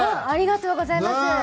ありがとうございます。